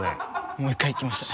もう１回行きましたね。